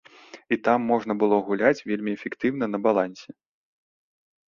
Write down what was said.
І там можна было гуляць вельмі эфектыўна на балансе.